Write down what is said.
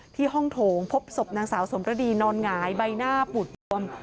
ห้องโถงพบศพนางสาวสมรดีนอนหงายใบหน้าปูดบวม